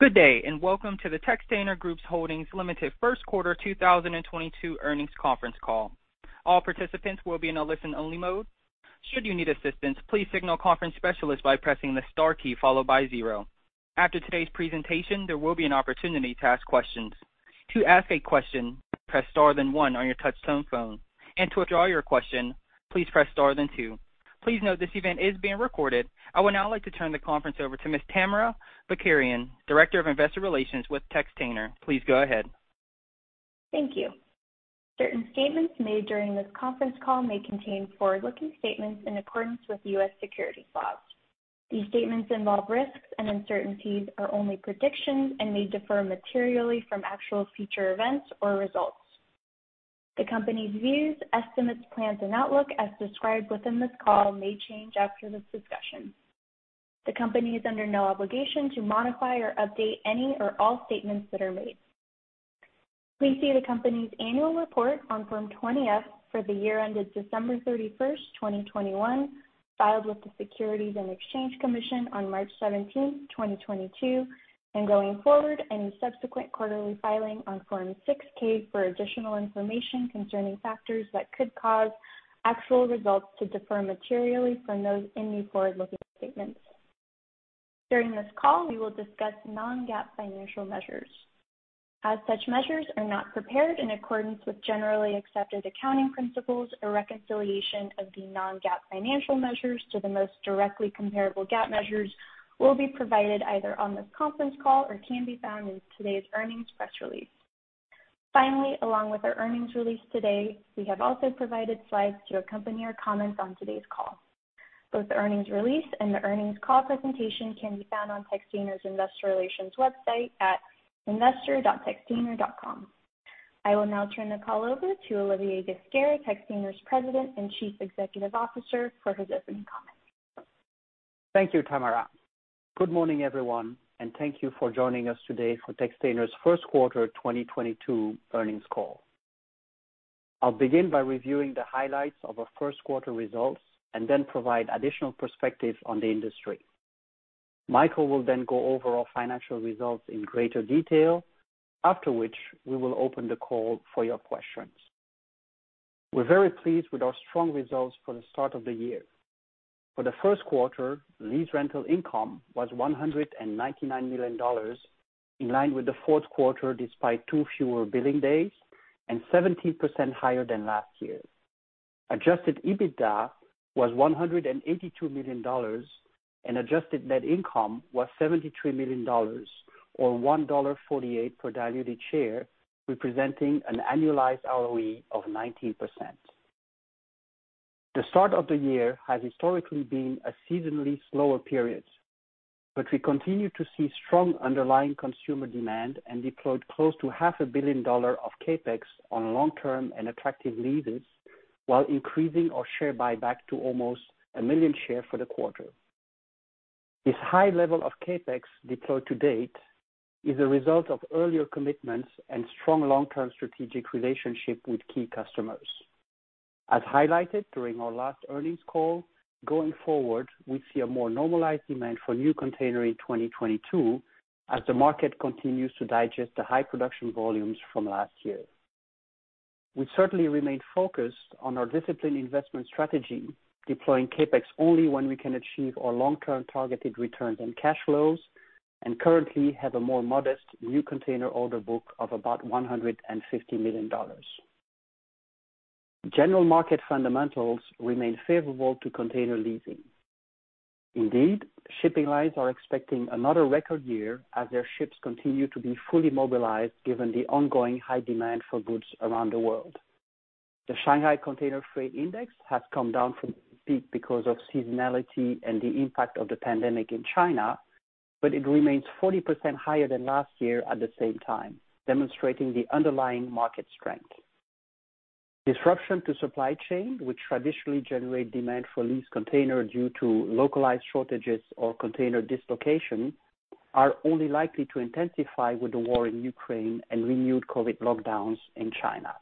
Good day, and welcome to the Textainer Group Holdings Limited Q1 2022 Earnings Conference Call. All participants will be in a listen-only mode. Should you need assistance, please contact the conference specialist by pressing the star key followed by zero. After today's presentation, there will be an opportunity to ask questions. To ask a question, press star then one on your touch tone phone. To withdraw your question, please press star then two. Please note this event is being recorded. I would now like to turn the conference over to Ms. Tamara Bakarian, Director of Investor Relations with Textainer. Please go ahead. Thank you. Certain statements made during this conference call may contain forward-looking statements in accordance with U.S. securities laws. These statements involve risks and uncertainties, are only predictions and may differ materially from actual future events or results. The company's views, estimates, plans and outlook as described within this call may change after this discussion. The company is under no obligation to modify or update any or all statements that are made. Please see the company's annual report on Form 20-F for the year ended December 31, 2021, filed with the Securities and Exchange Commission on March 17, 2022. Going forward, any subsequent quarterly filing on Form 6-K for additional information concerning factors that could cause actual results to differ materially from those in the forward-looking statements. During this call, we will discuss non-GAAP financial measures. As such measures are not prepared in accordance with generally accepted accounting principles, a reconciliation of the non-GAAP financial measures to the most directly comparable GAAP measures will be provided either on this conference call or can be found in today's earnings press release. Finally, along with our earnings release today, we have also provided slides to accompany our comments on today's call. Both the earnings release and the earnings call presentation can be found on Textainer's investor relations website at investor.textainer.com. I will now turn the call over to Olivier Ghesquiere, Textainer's President and Chief Executive Officer, for his opening comments. Thank you, Tamara. Good morning, everyone, and thank you for joining us today for Textainer's first quarter 2022 earnings call. I'll begin by reviewing the highlights of our first quarter results and then provide additional perspective on the industry. Michael will then go over our financial results in greater detail, after which we will open the call for your questions. We're very pleased with our strong results for the start of the year. For the first quarter, lease rental income was $199 million, in line with the fourth quarter despite two fewer billing days and 17% higher than last year. Adjusted EBITDA was $182 million, and adjusted net income was $73 million or $1.48 per diluted share, representing an annualized ROE of 19%. The start of the year has historically been a seasonally slower period, but we continue to see strong underlying consumer demand and deployed close to half a billion dollars of CapEx on long-term and attractive leases, while increasing our share buyback to almost a million shares for the quarter. This high level of CapEx deployed to date is a result of earlier commitments and strong long-term strategic relationship with key customers. As highlighted during our last earnings call, going forward, we see a more normalized demand for new containers in 2022 as the market continues to digest the high production volumes from last year. We certainly remain focused on our disciplined investment strategy, deploying CapEx only when we can achieve our long-term targeted returns and cash flows, and currently have a more modest new container order book of about $150 million. General market fundamentals remain favorable to container leasing. Indeed, shipping lines are expecting another record year as their ships continue to be fully mobilized given the ongoing high demand for goods around the world. The Shanghai Containerized Freight Index has come down from peak because of seasonality and the impact of the pandemic in China, but it remains 40% higher than last year at the same time, demonstrating the underlying market strength. Disruption to supply chain, which traditionally generate demand for leased containers due to localized shortages or container dislocation, are only likely to intensify with the war in Ukraine and renewed COVID lockdowns in China.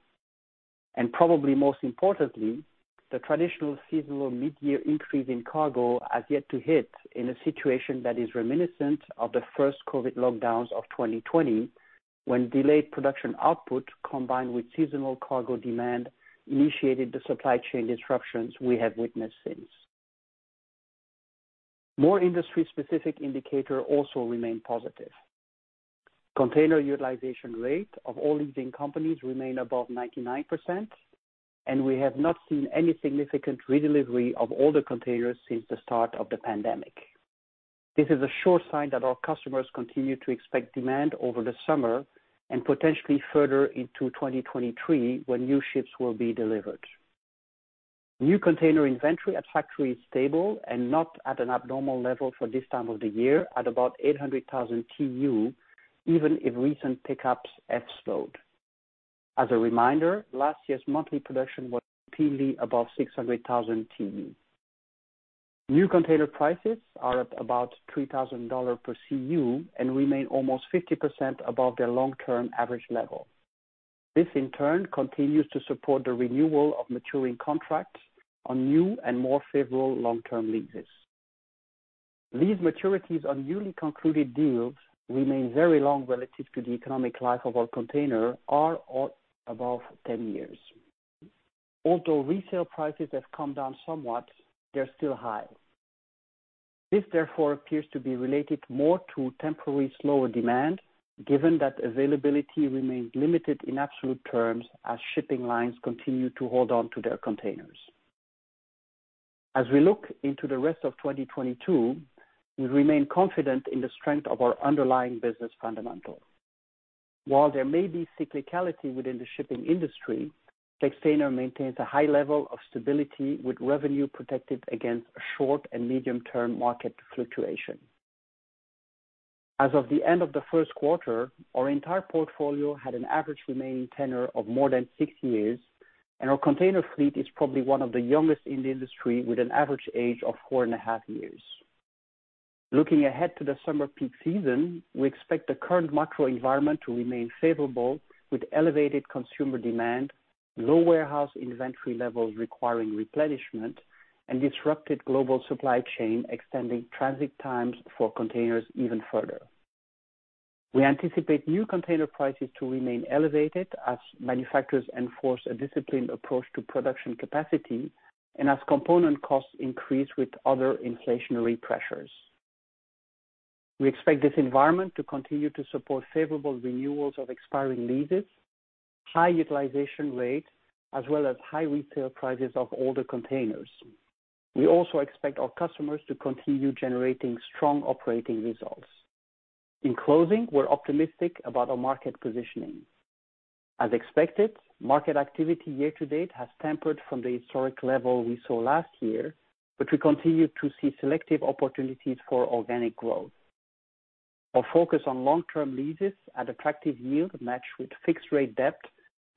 Probably most importantly, the traditional seasonal mid-year increase in cargo has yet to hit in a situation that is reminiscent of the first COVID lockdowns of 2020 when delayed production output, combined with seasonal cargo demand, initiated the supply chain disruptions we have witnessed since. More industry specific indicator also remain positive. Container utilization rate of all leasing companies remain above 99%, and we have not seen any significant redelivery of older containers since the start of the pandemic. This is a sure sign that our customers continue to expect demand over the summer and potentially further into 2023, when new ships will be delivered. New container inventory at factory is stable and not at an abnormal level for this time of the year at about 800,000 TEU, even if recent pickups have slowed. As a reminder, last year's monthly production was routinely above 600,000 TEU. New container prices are at about $3,000 per TEU and remain almost 50% above their long-term average level. This, in turn, continues to support the renewal of maturing contracts on new and more favorable long-term leases. These maturities on newly concluded deals remain very long relative to the economic life of our containers, or above 10 years. Although resale prices have come down somewhat, they're still high. This therefore appears to be related more to temporary slower demand, given that availability remains limited in absolute terms as shipping lines continue to hold on to their containers. As we look into the rest of 2022, we remain confident in the strength of our underlying business fundamentals. While there may be cyclicality within the shipping industry, Textainer maintains a high level of stability with revenue protected against short and medium-term market fluctuation. As of the end of the first quarter, our entire portfolio had an average remaining tenure of more than six years, and our container fleet is probably one of the youngest in the industry, with an average age of 4.5 years. Looking ahead to the summer peak season, we expect the current macro environment to remain favorable, with elevated consumer demand, low warehouse inventory levels requiring replenishment, and disrupted global supply chain extending transit times for containers even further. We anticipate new container prices to remain elevated as manufacturers enforce a disciplined approach to production capacity and as component costs increase with other inflationary pressures. We expect this environment to continue to support favorable renewals of expiring leases, high utilization rates, as well as high retail prices of older containers. We also expect our customers to continue generating strong operating results. In closing, we're optimistic about our market positioning. As expected, market activity year to date has tempered from the historic level we saw last year, but we continue to see selective opportunities for organic growth. Our focus on long-term leases at attractive yield matched with fixed rate debt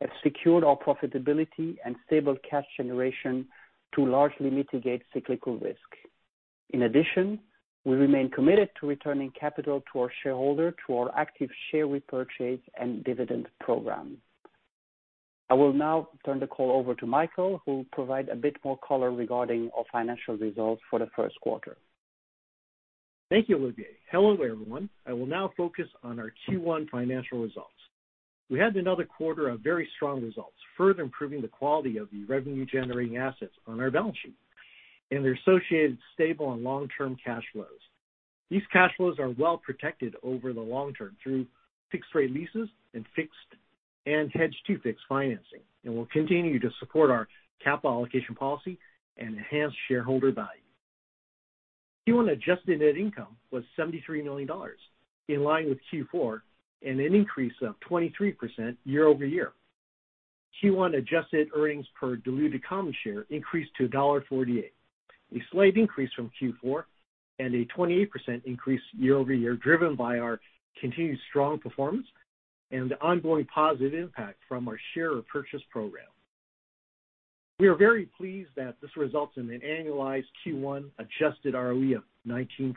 have secured our profitability and stable cash generation to largely mitigate cyclical risk. In addition, we remain committed to returning capital to our shareholder through our active share repurchase and dividend program. I will now turn the call over to Michael, who will provide a bit more color regarding our financial results for the first quarter. Thank you, Olivier. Hello, everyone. I will now focus on our Q1 financial results. We had another quarter of very strong results, further improving the quality of the revenue-generating assets on our balance sheet and their associated stable and long-term cash flows. These cash flows are well protected over the long term through fixed rate leases and fixed and hedged to fixed financing, and will continue to support our capital allocation policy and enhance shareholder value. Q1 adjusted net income was $73 million, in line with Q4, and an increase of 23% year-over-year. Q1 adjusted earnings per diluted common share increased to $1.48, a slight increase from Q4 and a 28% increase year-over-year, driven by our continued strong performance and the ongoing positive impact from our share repurchase program. We are very pleased that this results in an annualized Q1 adjusted ROE of 19%.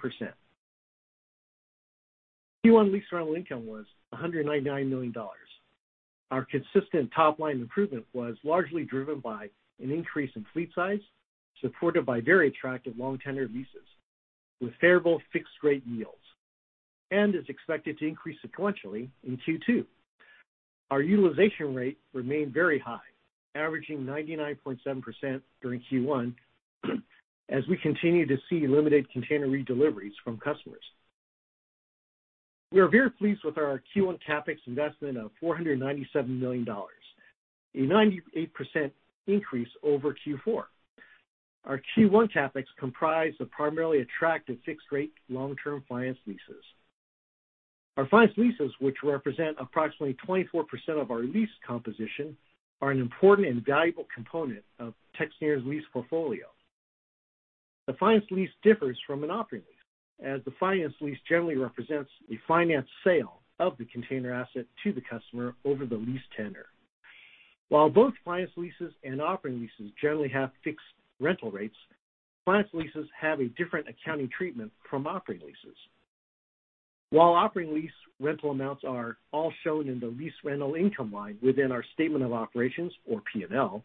Q1 lease rental income was $199 million. Our consistent top-line improvement was largely driven by an increase in fleet size, supported by very attractive long tender leases with favorable fixed rate yields, and is expected to increase sequentially in Q2. Our utilization rate remained very high, averaging 99.7% during Q1 as we continue to see limited container redeliveries from customers. We are very pleased with our Q1 CapEx investment of $497 million, a 98% increase over Q4. Our Q1 CapEx comprised of primarily attractive fixed rate long-term finance leases. Our finance leases, which represent approximately 24% of our lease composition, are an important and valuable component of Textainer's lease portfolio. The finance lease differs from an operating lease, as the finance lease generally represents a finance sale of the container asset to the customer over the lease tenure. While both finance leases and operating leases generally have fixed rental rates, finance leases have a different accounting treatment from operating leases. While operating lease rental amounts are all shown in the lease rental income line within our statement of operations or P&L,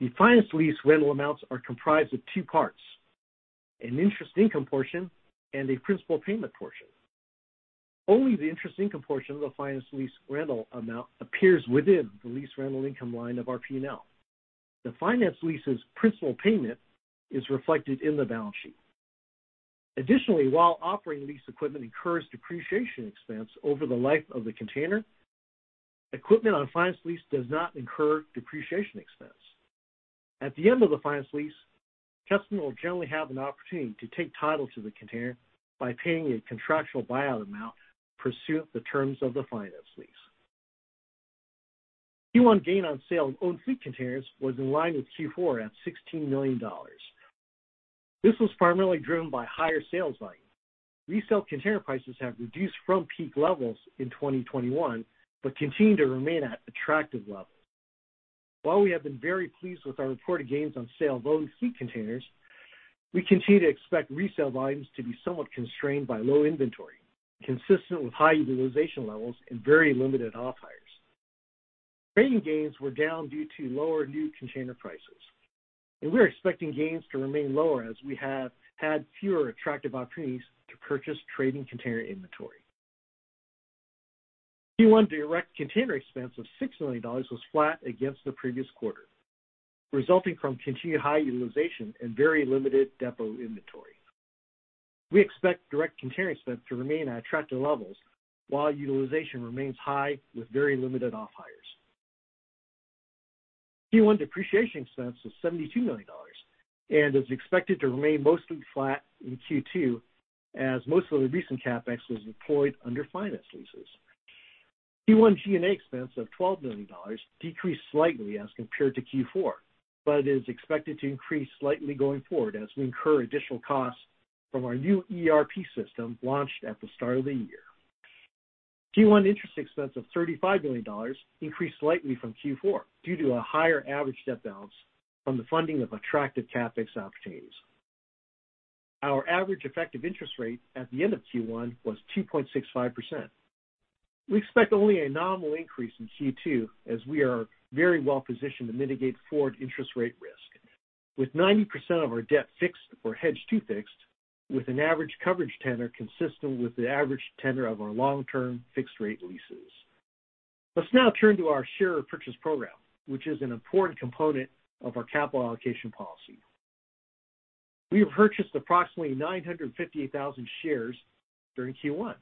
the finance lease rental amounts are comprised of two parts, an interest income portion and a principal payment portion. Only the interest income portion of the finance lease rental amount appears within the lease rental income line of our P&L. The finance lease's principal payment is reflected in the balance sheet. Additionally, while operating lease equipment incurs depreciation expense over the life of the container, equipment on a finance lease does not incur depreciation expense. At the end of the finance lease, customer will generally have an opportunity to take title to the container by paying a contractual buyout amount pursuant to the terms of the finance lease. Q1 gain on sale of owned fleet containers was in line with Q4 at $16 million. This was primarily driven by higher sales volume. Resale container prices have reduced from peak levels in 2021, but continue to remain at attractive levels. While we have been very pleased with our reported gains on sale of owned fleet containers, we continue to expect resale volumes to be somewhat constrained by low inventory, consistent with high utilization levels and very limited off-hires. Trading gains were down due to lower new container prices, and we're expecting gains to remain lower as we have had fewer attractive opportunities to purchase trading container inventory. Q1 direct container expense of $60 million was flat against the previous quarter, resulting from continued high utilization and very limited depot inventory. We expect direct container expense to remain at attractive levels while utilization remains high with very limited off-hires. Q1 depreciation expense was $72 million and is expected to remain mostly flat in Q2 as most of the recent CapEx was deployed under finance leases. Q1 G&A expense of $12 million decreased slightly as compared to Q4, but is expected to increase slightly going forward as we incur additional costs from our new ERP system launched at the start of the year. Q1 interest expense of $35 million increased slightly from Q4 due to a higher average debt balance from the funding of attractive CapEx opportunities. Our average effective interest rate at the end of Q1 was 2.65%. We expect only a nominal increase in Q2 as we are very well positioned to mitigate forward interest rate risk, with 90% of our debt fixed or hedged to fixed, with an average coverage tenor consistent with the average tenor of our long-term fixed-rate leases. Let's now turn to our share repurchase program, which is an important component of our capital allocation policy. We have purchased approximately 958,000 shares during Q1.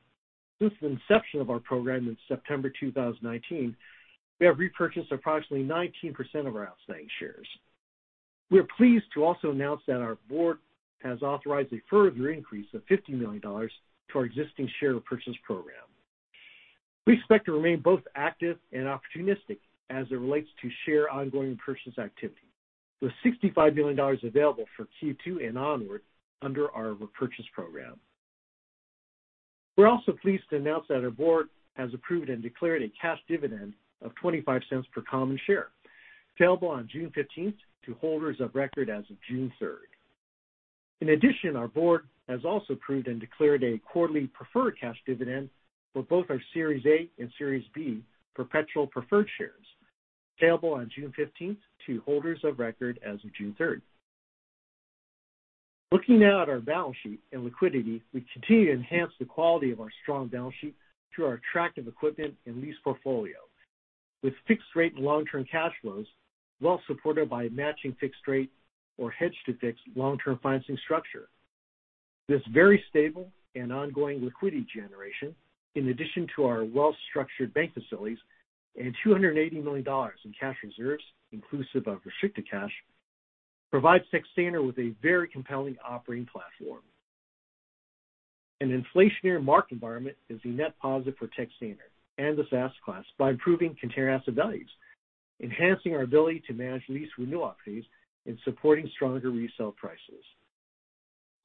Since the inception of our program in September 2019, we have repurchased approximately 19% of our outstanding shares. We are pleased to also announce that our board has authorized a further increase of $50 million to our existing share repurchase program. We expect to remain both active and opportunistic as it relates to share repurchase activity, with $65 million available for Q2 and onward under our repurchase program. We're also pleased to announce that our board has approved and declared a cash dividend of $0.25 per common share, payable on June fifteenth to holders of record as of June third. In addition, our board has also approved and declared a quarterly preferred cash dividend for both our Series A and Series B perpetual preferred shares, payable on June fifteenth to holders of record as of June third. Looking now at our balance sheet and liquidity, we continue to enhance the quality of our strong balance sheet through our attractive equipment and lease portfolio, with fixed-rate and long-term cash flows well supported by matching fixed rate or hedged to fixed long-term financing structure. This very stable and ongoing liquidity generation, in addition to our well-structured bank facilities and $280 million in cash reserves, inclusive of restricted cash, provides Textainer with a very compelling operating platform. An inflationary market environment is a net positive for Textainer and the asset class by improving container asset values, enhancing our ability to manage lease renewal opportunities, and supporting stronger resale prices.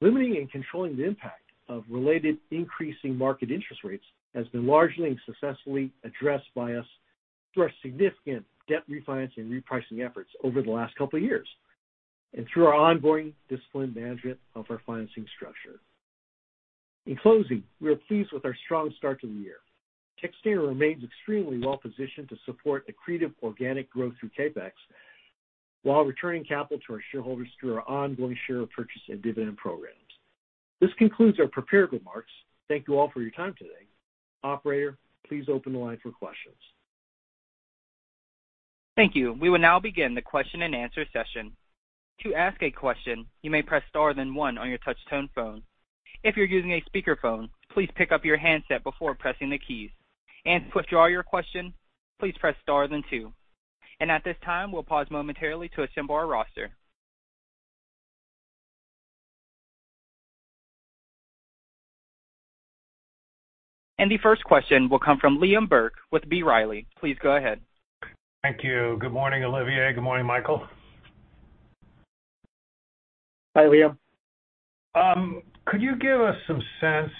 Limiting and controlling the impact of related increasing market interest rates has been largely and successfully addressed by us through our significant debt refinancing and repricing efforts over the last couple of years and through our ongoing disciplined management of our financing structure. In closing, we are pleased with our strong start to the year. Textainer remains extremely well positioned to support accretive organic growth through CapEx while returning capital to our shareholders through our ongoing share purchase and dividend programs. This concludes our prepared remarks. Thank you all for your time today. Operator, please open the line for questions. Thank you. We will now begin the question-and-answer session. To ask a question, you may press star then one on your touch-tone phone. If you're using a speakerphone, please pick up your handset before pressing the keys. To withdraw your question, please press star then two. At this time, we'll pause momentarily to assemble our roster. The first question will come from Liam Burke with B. Riley. Please go ahead. Thank you. Good morning, Olivier. Good morning, Michael. Hi, Liam. Could you give us some sense,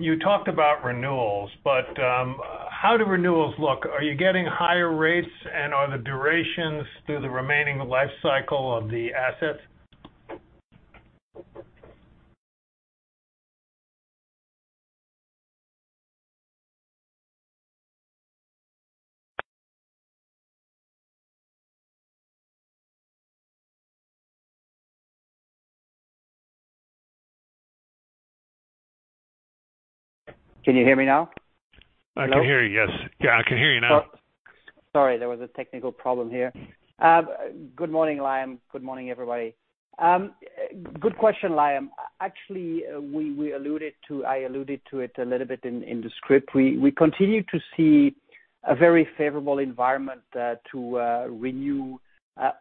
you talked about renewals, but how do renewals look? Are you getting higher rates and are the durations through the remaining life cycle of the assets? Can you hear me now? Hello? I can hear you, yes. Yeah, I can hear you now. Sorry, there was a technical problem here. Good morning, Liam. Good morning, everybody. Good question, Liam. Actually, we alluded to it a little bit in the script. We continue to see a very favorable environment to renew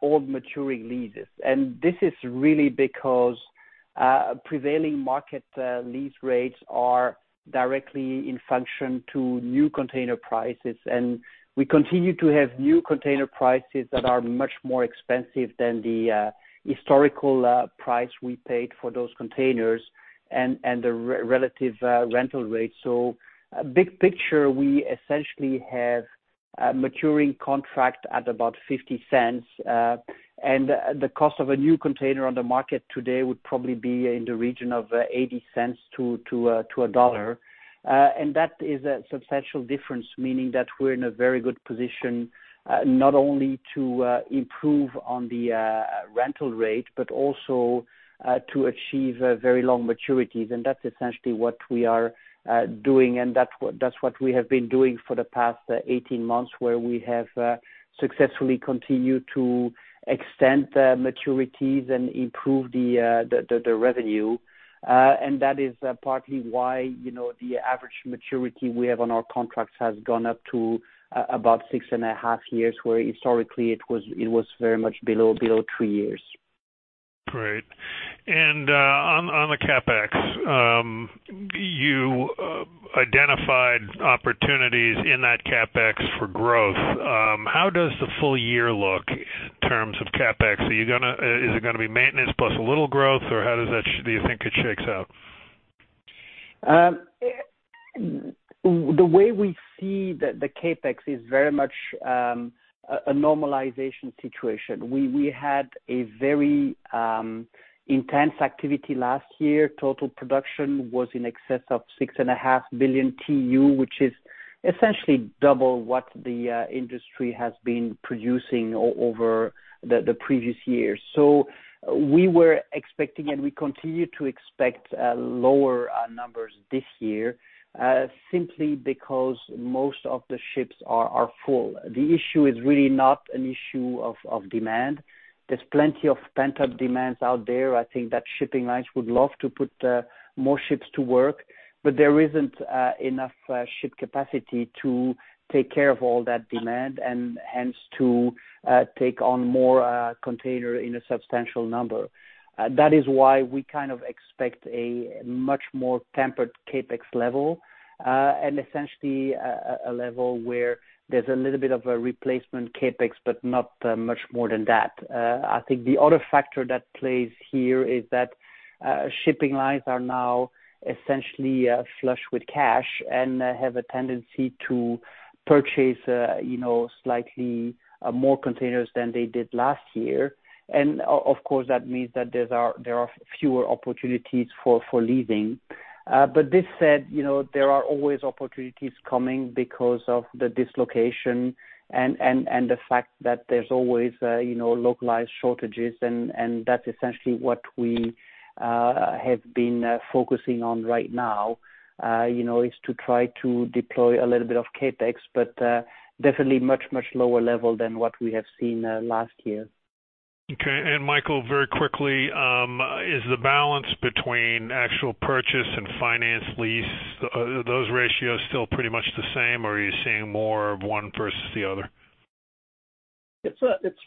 old maturing leases. This is really because prevailing market lease rates are directly in function to new container prices. We continue to have new container prices that are much more expensive than the historical price we paid for those containers and the relative rental rates. Big picture, we essentially have A maturing contract at about $0.50. The cost of a new container on the market today would probably be in the region of $0.80-$1. That is a substantial difference, meaning that we're in a very good position not only to improve on the rental rate, but also to achieve very long maturities. That's essentially what we are doing, and that's what we have been doing for the past 18 months, where we have successfully continued to extend the maturities and improve the revenue. That is partly why, you know, the average maturity we have on our contracts has gone up to about 6.5 years, where historically it was very much below 3 years. Great. On the CapEx, you identified opportunities in that CapEx for growth. How does the full year look in terms of CapEx? Is it gonna be maintenance plus a little growth, or how do you think it shakes out? The way we see the CapEx is very much a normalization situation. We had a very intense activity last year. Total production was in excess of 6.5 billion TEU, which is essentially double what the industry has been producing over the previous years. We were expecting, and we continue to expect, lower numbers this year, simply because most of the ships are full. The issue is really not an issue of demand. There's plenty of pent-up demand out there. I think that shipping lines would love to put more ships to work, but there isn't enough ship capacity to take care of all that demand and hence to take on more containers in a substantial number. That is why we kind of expect a much more tempered CapEx level, and essentially a level where there's a little bit of a replacement CapEx but not much more than that. I think the other factor that plays here is that shipping lines are now essentially flush with cash and have a tendency to purchase, you know, slightly more containers than they did last year. Of course, that means that there are fewer opportunities for leasing. That said, you know, there are always opportunities coming because of the dislocation and the fact that there's always, you know, localized shortages and that's essentially what we have been focusing on right now, you know, is to try to deploy a little bit of CapEx, but definitely much lower level than what we have seen last year. Okay. Michael, very quickly, is the balance between actual purchase and finance lease, are those ratios still pretty much the same, or are you seeing more of one versus the other? It's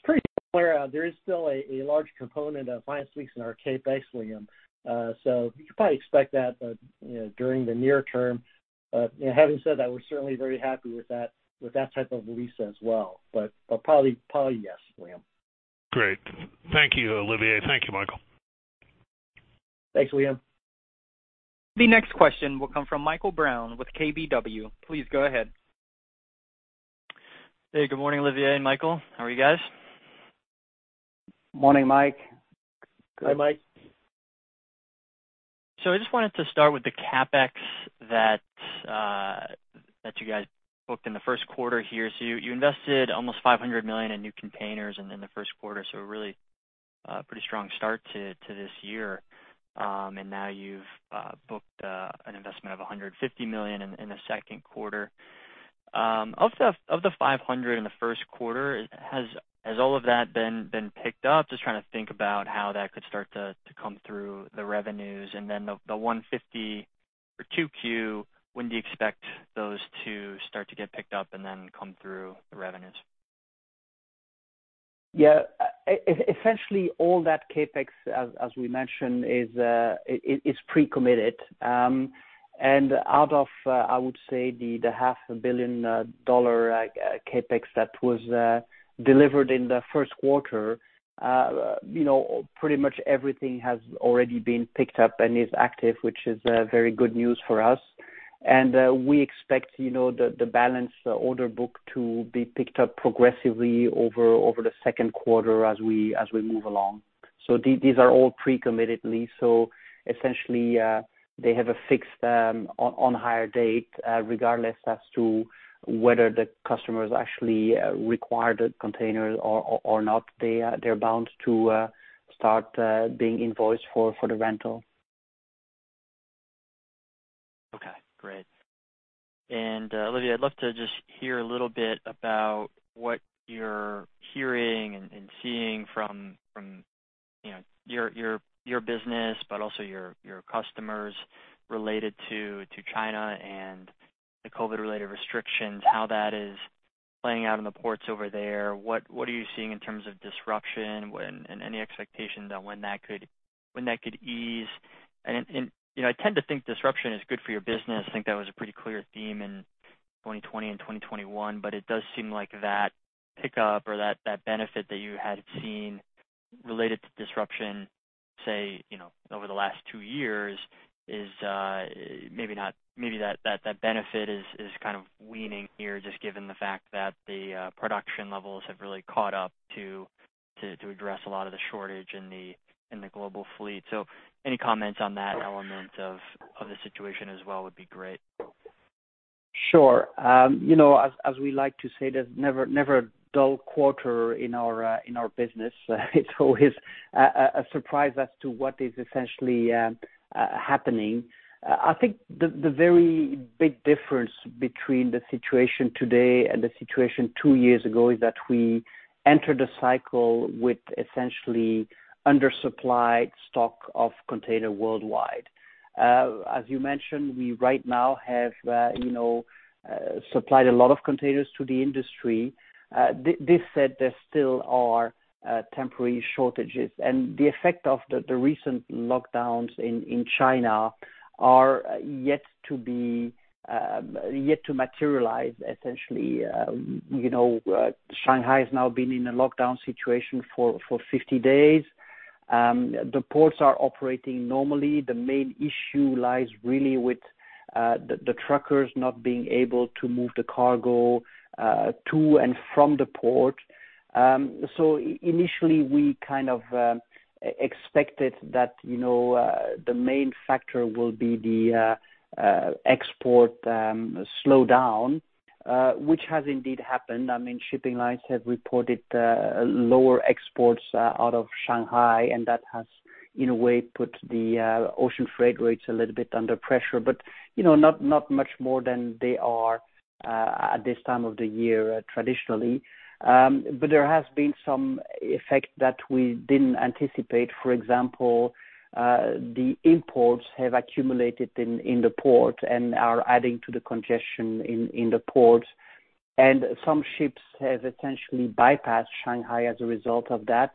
pretty similar. There is still a large component of finance lease in our CapEx, Liam Burke. You can probably expect that, you know, during the near term. Having said that, we're certainly very happy with that type of lease as well. Probably, yes, Liam Burke. Great. Thank you, Olivier. Thank you, Michael. Thanks, Liam Burke. The next question will come from Michael Brown with KBW. Please go ahead. Hey, good morning, Olivier and Michael. How are you guys? Morning, Mike. Hi, Mike. I just wanted to start with the CapEx that you guys booked in the first quarter here. You invested almost $500 million in new containers in the first quarter, so a really pretty strong start to this year. And now you've booked an investment of $150 million in the second quarter. Of the $500 million in the first quarter, has all of that been picked up? Just trying to think about how that could start to come through the revenues, and then the $150 for 2Q, when do you expect those to start to get picked up and then come through the revenues? Yeah. Essentially all that CapEx, as we mentioned, it's pre-committed. Out of, I would say the half a billion dollar CapEx that was delivered in the first quarter, you know, pretty much everything has already been picked up and is active, which is very good news for us. We expect, you know, the balance order book to be picked up progressively over the second quarter as we move along. These are all pre-committed leases. Essentially, they have a fixed on hire date, regardless as to whether the customers actually require the containers or not, they're bound to start being invoiced for the rental. Okay, great. Olivier, I'd love to just hear a little bit about what you're hearing and seeing from, you know, your business, but also your customers related to China and the COVID-related restrictions, how that is playing out in the ports over there. What are you seeing in terms of disruption. Any expectation on when that could ease. You know, I tend to think disruption is good for your business. I think that was a pretty clear theme in 2020 and 2021, but it does seem like that pickup or that benefit that you had seen related to disruption, say, you know, over the last two years, is maybe not. Maybe that benefit is kind of waning here, just given the fact that the production levels have really caught up to address a lot of the shortage in the global fleet. Any comments on that element of the situation as well would be great. Sure. You know, as we like to say, there's never a dull quarter in our business. It's always a surprise as to what is essentially happening. I think the very big difference between the situation today and the situation two years ago is that we entered a cycle with essentially undersupplied stock of container worldwide. As you mentioned, we right now have you know supplied a lot of containers to the industry. That said, there still are temporary shortages, and the effect of the recent lockdowns in China are yet to materialize, essentially. You know, Shanghai has now been in a lockdown situation for 50 days. The ports are operating normally. The main issue lies really with the truckers not being able to move the cargo to and from the port. Initially, we kind of expected that, you know, the main factor will be the export slowdown, which has indeed happened. I mean, shipping lines have reported lower exports out of Shanghai, and that has, in a way, put the ocean freight rates a little bit under pressure. You know, not much more than they are at this time of the year traditionally. There has been some effect that we didn't anticipate. For example, the imports have accumulated in the port and are adding to the congestion in the port. Some ships have essentially bypassed Shanghai as a result of that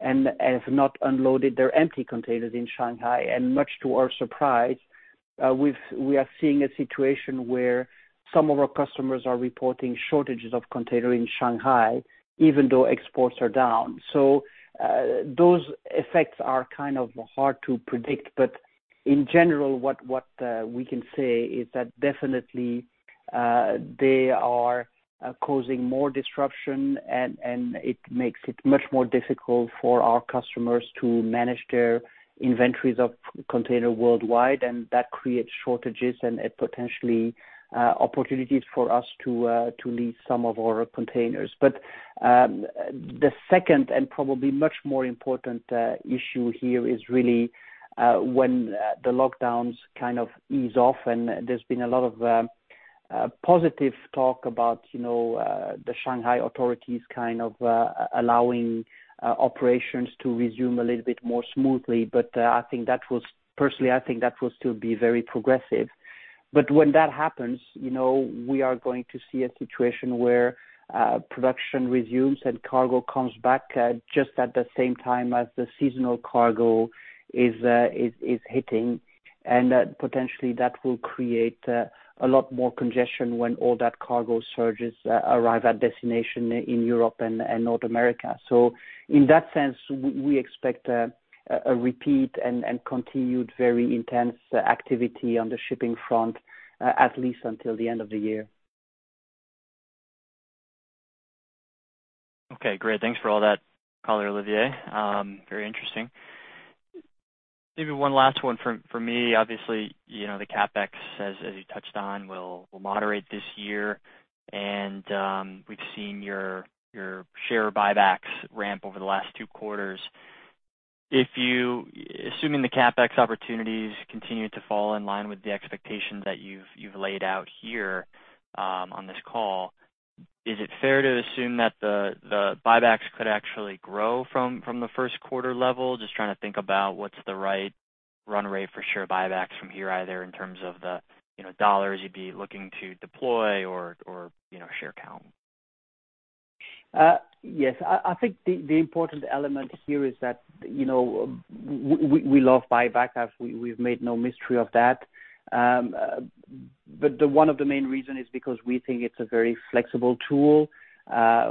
and have not unloaded their empty containers in Shanghai. Much to our surprise, we are seeing a situation where some of our customers are reporting shortages of container in Shanghai, even though exports are down. Those effects are kind of hard to predict. In general, what we can say is that definitely, they are causing more disruption and it makes it much more difficult for our customers to manage their inventories of container worldwide, and that creates shortages and it potentially opportunities for us to to lease some of our containers. The second and probably much more important issue here is really when the lockdowns kind of ease off, and there's been a lot of positive talk about, you know, the Shanghai authorities kind of allowing operations to resume a little bit more smoothly. I think that will still be very progressive. When that happens, you know, we are going to see a situation where production resumes and cargo comes back just at the same time as the seasonal cargo is hitting. Potentially that will create a lot more congestion when all that cargo surges arrive at destination in Europe and North America. In that sense, we expect a repeat and continued very intense activity on the shipping front, at least until the end of the year. Okay, great. Thanks for all that color, Olivier. Very interesting. Maybe one last one from me. Obviously, you know, the CapEx, as you touched on, will moderate this year. We've seen your share buybacks ramp over the last two quarters. Assuming the CapEx opportunities continue to fall in line with the expectations that you've laid out here on this call, is it fair to assume that the buybacks could actually grow from the first quarter level? Just trying to think about what's the right run rate for share buybacks from here, either in terms of the, you know, dollars you'd be looking to deploy or you know, share count. Yes. I think the important element here is that, you know, we love buybacks. We've made no mystery of that. One of the main reason is because we think it's a very flexible tool.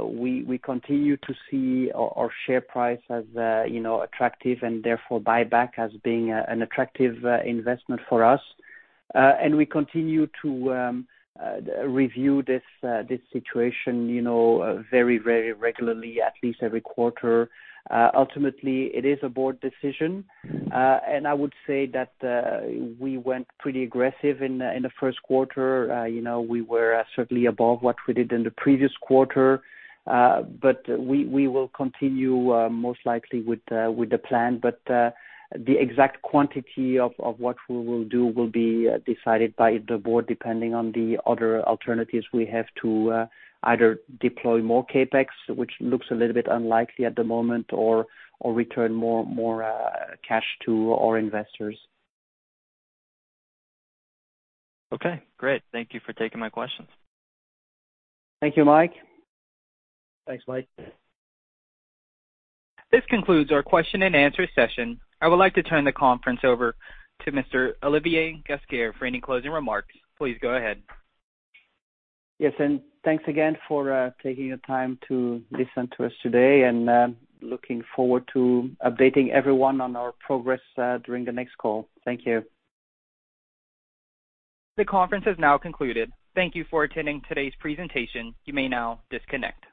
We continue to see our share price as, you know, attractive, and therefore buyback as being an attractive investment for us. We continue to review this situation, you know, very regularly, at least every quarter. Ultimately, it is a board decision. I would say that we went pretty aggressive in the first quarter. You know, we were certainly above what we did in the previous quarter. We will continue most likely with the plan. The exact quantity of what we will do will be decided by the board, depending on the other alternatives we have to either deploy more CapEx, which looks a little bit unlikely at the moment, or return more cash to our investors. Okay, great. Thank you for taking my questions. Thank you, Mike. Thanks, Mike. This concludes our question and answer session. I would like to turn the conference over to Mr. Olivier Ghesquiere for any closing remarks. Please go ahead. Yes, and thanks again for taking the time to listen to us today, and looking forward to updating everyone on our progress during the next call. Thank you. The conference has now concluded. Thank you for attending today's presentation. You may now disconnect.